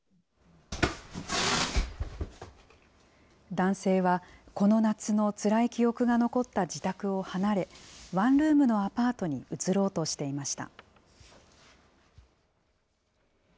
男性は、この夏のつらい記憶が残った自宅を離れ、ワンルームのアパートに移ろうとしていました。